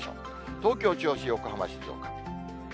東京、銚子、横浜、静岡。